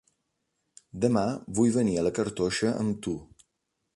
Demà vull venir a la Cartoixa amb tu.